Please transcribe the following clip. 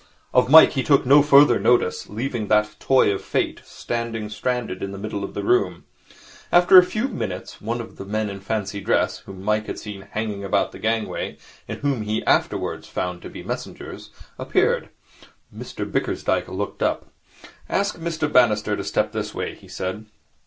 Of Mike he took no further notice, leaving that toy of Fate standing stranded in the middle of the room. After a few moments one of the men in fancy dress, whom Mike had seen hanging about the gangway, and whom he afterwards found to be messengers, appeared. Mr Bickersdyke looked up. 'Ask Mr Bannister to step this way,' he said.